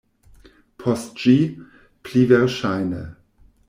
Post ĝi, pli verŝajne.